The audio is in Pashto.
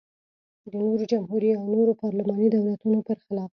د نورو جمهوري او نورو پارلماني دولتونو پرخلاف.